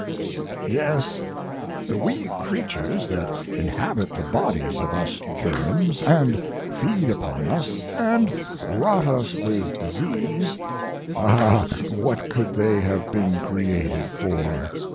"Yes, the wee creatures that inhabit the bodies of us germs and feed upon us, and rot us with disease: Ah, what could they have been created for?